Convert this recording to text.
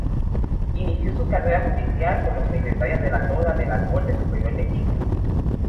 Inició su carrera judicial como secretaria relatora de la Corte Superior de Quito.